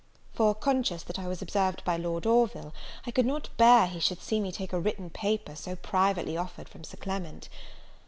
For, conscious that I was observed by Lord Orville, I could not bear he should see me take a written paper, so privately offered, from Sir Clement.